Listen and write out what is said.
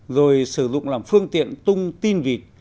rồi sử dụng làm phương tiện tung tin vịt